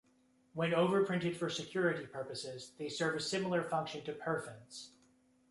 When overprinted for security purposes, they serve a similar function to perfins.